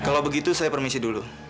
kalau begitu saya permisi dulu